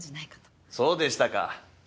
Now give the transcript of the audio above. そうでしたか。